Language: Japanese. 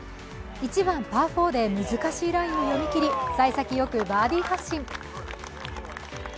１番、パー４で難しいラインを読み切り、さい先よくバーディー発進。